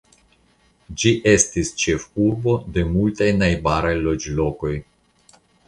Ĝi estis ĉefurbo de multaj najbaraj loĝlokoj.